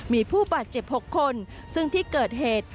มีผู้บาดเจ็บ๖คนซึ่งที่เกิดเหตุ